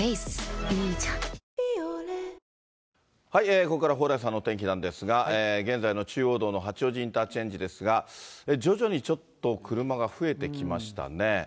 ここからは蓬莱さんの天気なんですが、現在の中央道の八王子インターチェンジですが、徐々にちょっと車が増えてきましたね。